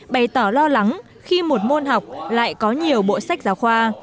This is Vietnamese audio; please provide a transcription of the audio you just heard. bày tỏ lo lắng khi một môn học lại có nhiều bộ sách giáo khoa